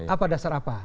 apa dasar apa